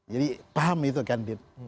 jadi paham itu kan